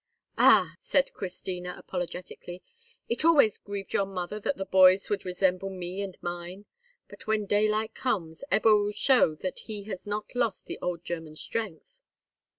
"Ah!" said Christina, apologetically, "it always grieved your mother that the boys would resemble me and mine. But, when daylight comes, Ebbo will show you that he has not lost the old German strength."